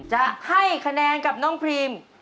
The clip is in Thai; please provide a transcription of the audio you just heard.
จะให้คะแนนกับน้องพรีม